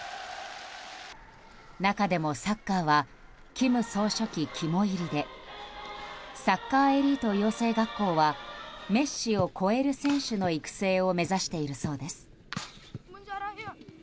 中でもサッカーは金総書記、肝煎りでサッカーエリート養成学校はメッシを超える選手の育成を目指しているそうです。